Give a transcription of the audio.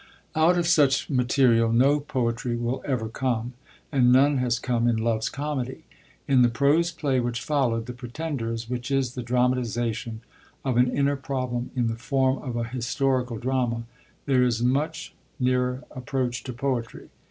Out of such material no poetry will ever come; and none has come in Love's Comedy. In the prose play which followed, The Pretenders, which is the dramatisation of an inner problem in the form of a historical drama, there is a much nearer approach to poetry.